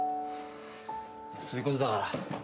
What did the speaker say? そういうことだから。